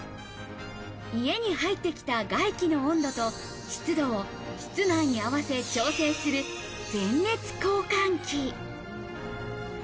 家に入ってきた外気の温度と湿度を室内に合わせ調整する全熱交換器。